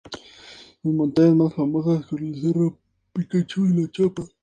Sus montañas más famosas son el "Cerro El Picacho" y "La Chapa".